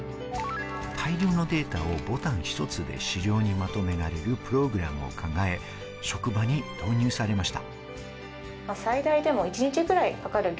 大量のデータをボタン一つで資料にまとめられるプログラムを考え、職場に導入されました。